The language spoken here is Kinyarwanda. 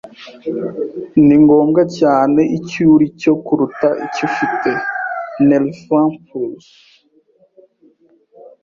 Ni ngombwa cyane icyo uricyo kuruta icyo ufite. (nervimpulse)